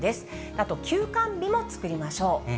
あと休肝日も作りましょう。